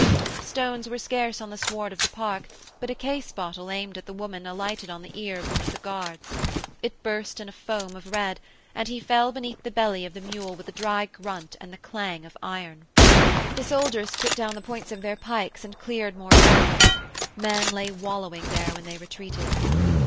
Stones were scarce on the sward of the park, but a case bottle aimed at the woman alighted on the ear of one of the guards. It burst in a foam of red, and he fell beneath the belly of the mule with a dry grunt and the clang of iron. The soldiers put down the points of their pikes and cleared more ground. Men lay wallowing there when they retreated.